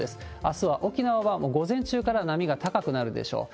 あすは沖縄はもう午前中から波が高くなるでしょう。